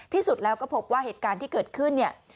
ที่สุดแล้วก็พบว่าเหตุการณ์ที่เกิดขึ้นเนี่ย